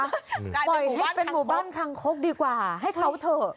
ปล่อยให้เป็นหมู่บ้านคังคกดีกว่าให้เขาเถอะ